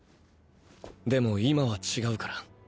でも今は違うから。